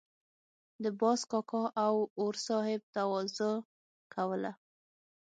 د باز کاکا او اور صاحب تواضع کوله.